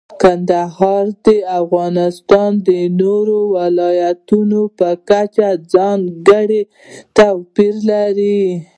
کندهار د افغانستان د نورو ولایاتو په کچه ځانګړی توپیر لري.